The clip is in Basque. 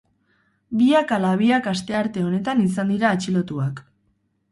Biak ala biak astearte honetan izan dira atxilotuak.